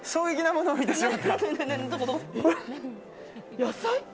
野菜？